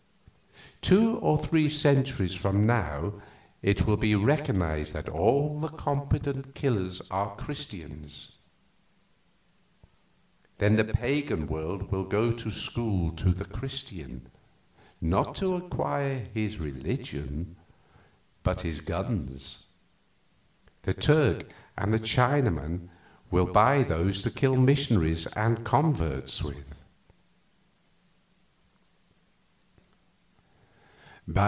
Two or three centuries from now it will be recognized that all the competent killers are Christians; then the pagan world will go to school to the Christian not to acquire his religion, but his guns. The Turk and the Chinaman will buy those to kill missionaries and converts with."